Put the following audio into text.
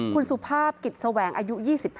คุณสุภาพกิจแสวงอายุ๒๕